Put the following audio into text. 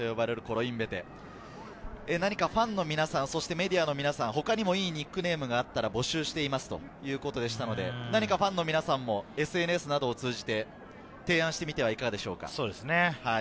何かファンの皆さん、そしてメディアの皆さん他にもいいニックネームがあったら募集していますということでしたので、ファンの皆さんもＳＮＳなどを通じて提案してみてはいかがでしょうか。